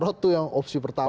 nah ini kan opsi pertama